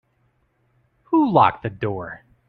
Who locked the door?